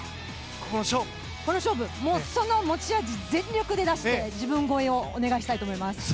この勝負、その持ち味全力で出して自分超えをお願いしたいと思います。